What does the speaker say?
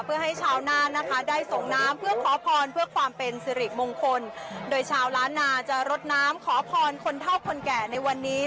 เพื่อให้ชาวนานะคะได้ส่งน้ำเพื่อขอพรเพื่อความเป็นสิริมงคลโดยชาวล้านนาจะรดน้ำขอพรคนเท่าคนแก่ในวันนี้